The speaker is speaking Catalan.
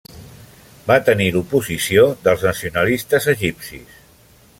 Va tenir l'oposició dels nacionalistes egipcis.